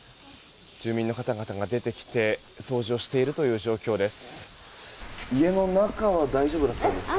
住民の方々が出てきて掃除をしているという状況です。